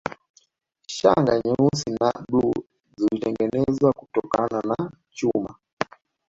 Shanga nyeusi na bluu zilitengenezwa kutokana na chuma